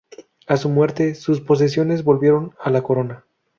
A su muerte, sus posesiones volvieron a la corona.